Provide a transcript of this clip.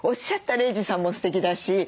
玲児さんもすてきだし。